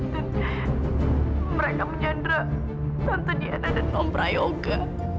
dan mereka menjandra tante diana dan om prayoga